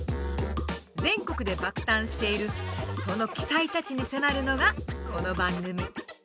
全国で「爆誕」しているその鬼才たちに迫るのがこの番組。